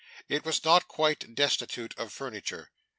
It was not quite destitute of furniture.